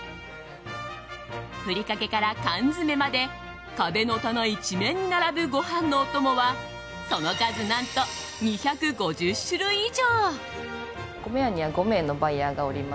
ふりかけから缶詰まで壁の棚一面に並ぶご飯のお供はその数何と２５０種類以上。